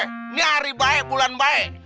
ini hari baik bulan baik